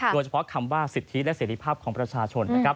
โดยเฉพาะคำว่าสิทธิและเสรีภาพของประชาชนนะครับ